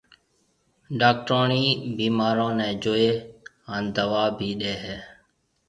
ڊاڪٽروڻِي بيمارون نَي جوئي هانَ دوا ڀِي ڏي هيَ۔